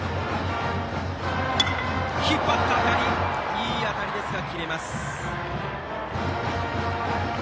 いい当たりですが、切れます。